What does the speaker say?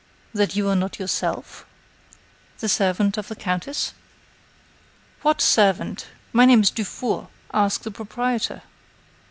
That you are not yourself? The servant of the countess?" "What servant? My name is Dufour. Ask the proprietor."